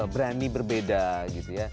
berani berbeda gitu ya